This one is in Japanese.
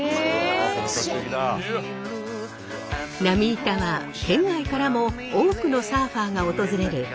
浪板は県外からも多くのサーファーが訪れる